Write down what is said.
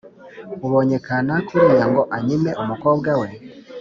ubonye kanaka uriya ngo anyime umukobwa we,